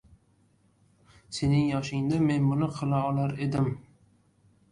“Sening yoshingda men buni qila olar edim”